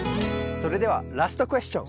それではラストクエスチョン